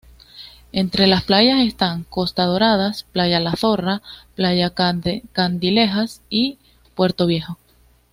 Entre las playas están: Costa Dorada, Playa La Zorra, Playa Candilejas y Puerto Viejo.